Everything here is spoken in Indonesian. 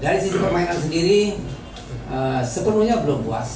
dari sisi permainan sendiri sepenuhnya belum puas